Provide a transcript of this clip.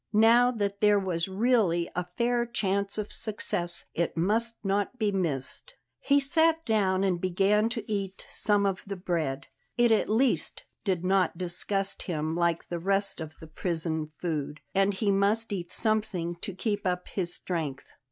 Now that there was really a fair chance of success, it must not be missed. He sat down and began to eat some of the bread. It at least did not disgust him like the rest of the prison food, and he must eat something to keep up his strength.